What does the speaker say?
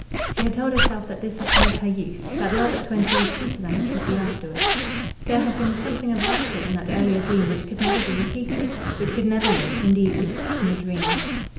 She had told herself that this had come of her youth; that love at twenty was sweeter than it could be afterwards. There had been a something of rapture in that earlier dream which could never be repeated, which could never live, indeed, except in a dream.